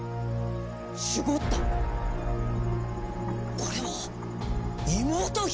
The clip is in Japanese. これは妹君。